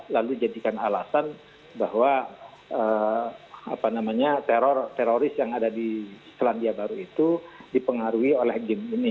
lalu jadikan alasan bahwa teroris yang ada di selandia baru itu dipengaruhi oleh game ini